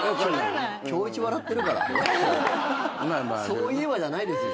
「そういえば」じゃないですよ。